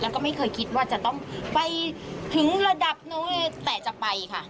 แล้วก็ไม่เคยคิดว่าจะต้องไปถึงระดับนู้นเลยแต่จะไปค่ะ